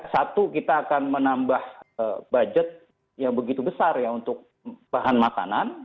satu kita akan menambah budget yang begitu besar ya untuk bahan makanan